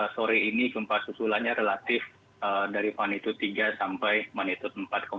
sore ini gempa susulannya relatif dari magnitud tiga sampai magnitud empat